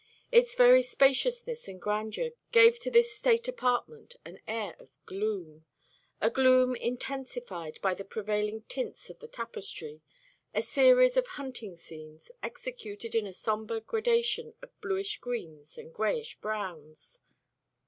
Its very spaciousness and grandeur gave to this state apartment an air of gloom, a gloom intensified by the prevailing tints of the tapestry, a series of hunting scenes, executed in a sombre gradation of bluish greens and grayish browns.